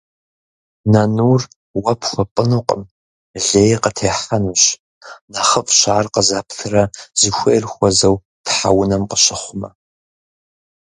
Нынур уэ пхуэпӀынукъым, лей къытехьэнущ. НэхъыфӀщ ар къызэптрэ зыхуей хуэзэу тхьэунэм къыщыхъумэ.